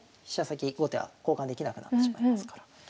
先後手は交換できなくなってしまいますから。